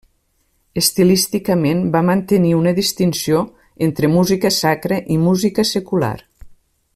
Estilísticament va mantenir una distinció entre música sacra i música secular.